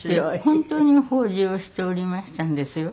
本当に法事をしておりましたんですよ。